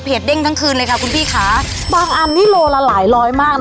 เด้งทั้งคืนเลยค่ะคุณพี่ค่ะบางอันนี้โลละหลายร้อยมากนะ